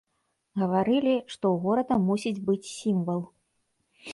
Гаварылі, што ў горада мусіць быць сімвал.